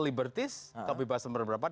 liberties kebebasan berpendapat